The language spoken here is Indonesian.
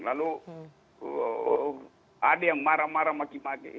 lalu ada yang marah marah maki maki